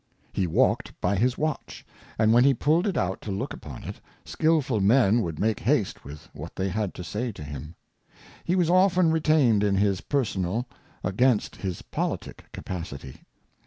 He walked by his Watch, and when he pulled it out to look upon it, skilful Men would make haste with what they had to say to him. He was often retained in his personal against his politick Capacity.